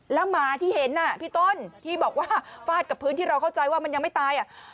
แล้วหมาที่เห็นน่ะพี่ต้นที่บอกว่าฟาดกับพื้นที่เราเข้าใจว่ามันยังไม่ตาย